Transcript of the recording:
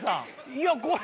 いやこれ